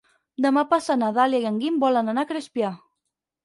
Demà passat na Dàlia i en Guim volen anar a Crespià.